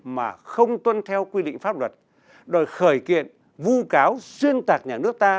mà không tuân theo quy định pháp luật đòi khởi kiện vu cáo xuyên tạc nhà nước ta